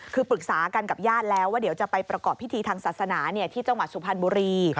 คือปรึกษากันกับญาติแล้วว่าเดี๋ยวจะไปประกอบพิธีทางศาสนาที่จังหวัดสุพรรณบุรี